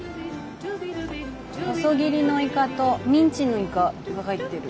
細切りのイカとミンチのイカが入ってる。